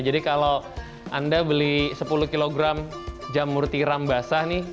jadi kalau anda beli sepuluh kilogram jamur tiram basah nih